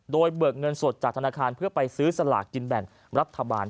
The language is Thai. โดยเบิกเงินสดจากธนาคารเพื่อไปซื้อสลากกินแบ่งรัฐบาล